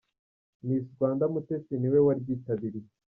Miss Rwanda Mutesi niwe waryitabiriye.